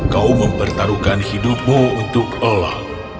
kau mempertaruhkan hidupmu untuk ela